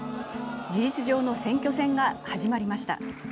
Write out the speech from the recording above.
事実上の選挙戦が始まりました。